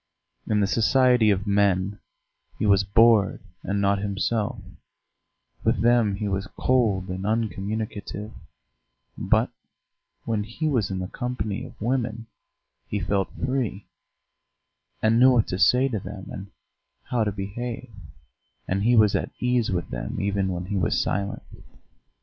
In the society of men he was bored and not himself, with them he was cold and uncommunicative; but when he was in the company of women he felt free, and knew what to say to them and how to behave; and he was at ease with them even when he was silent.